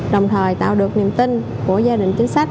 đồng thời tạo được niềm tin của gia đình chính sách